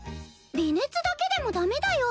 微熱だけでもダメだよ。